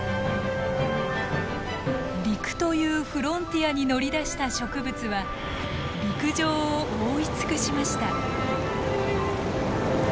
陸というフロンティアに乗り出した植物は陸上を覆い尽くしました。